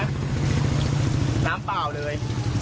น้ำเปล่าเลย